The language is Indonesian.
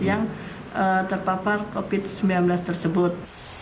yang terpapar covid sembilan belas tersebut